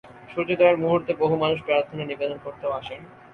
সূর্যোদয়ের মুহূর্তে বহু মানুষ প্রার্থনা নিবেদন করতেও আসেন।